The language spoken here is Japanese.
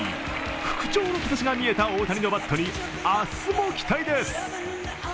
復調の兆しが見えた大谷のバットに明日も期待です。